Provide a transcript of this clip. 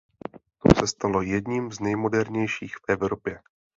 To se stalo jedním z nejmodernějších v Evropě.